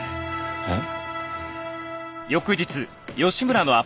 えっ？